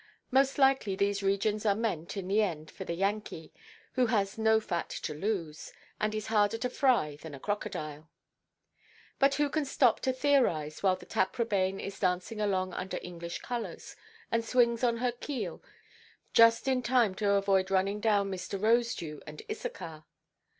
Most likely these regions are meant, in the end, for the Yankee, who has no fat to lose, and is harder to fry than a crocodile. But who can stop to theorize while the Taprobane is dancing along under English colours, and swings on her keel just in time to avoid running down Mr. Rosedew and Issachar?